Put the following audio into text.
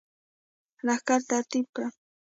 لښکر ترتیب کړم.